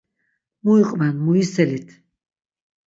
Mu iqven muyiselit.